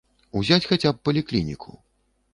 Узяць хаця б паліклініку.